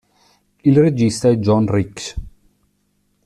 Il regista è John Rich.